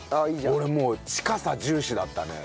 俺もう近さ重視だったね。